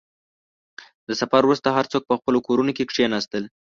• د سفر وروسته، هر څوک په خپلو کورونو کښېناستل.